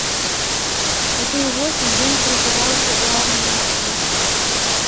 У тую восень ён прызываўся ў армію на службу.